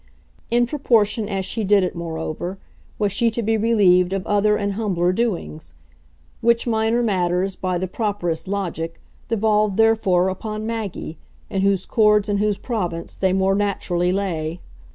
In proportion as she did it, moreover, was she to be relieved of other and humbler doings; which minor matters, by the properest logic, devolved therefore upon Maggie, in whose chords and whose province they more naturally lay.